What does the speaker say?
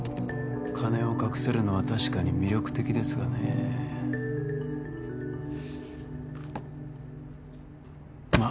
金を隠せるのは確かに魅力的ですがねえま